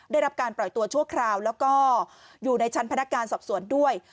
ได้รับการปล่อยตัวชั่วคราวแล้วก็อยู่ในชั้นพนักการสอบสวนด้วย